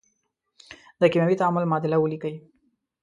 د کیمیاوي تعامل معادله ولیکئ.